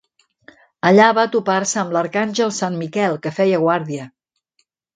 Allà va topar-se amb l'Arcàngel Sant Miquel que feia guàrdia.